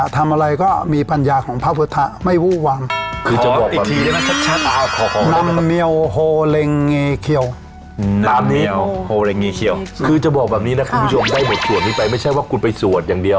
ทำอะไรก็มีปัญญาของพระพุทธภาพไม่วุวรรณ